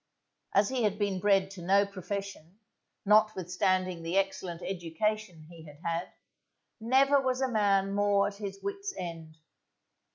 As he had been bred to no profession, notwithstanding the excellent education he had had, never was a man more at his wits' end.